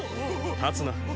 立つな。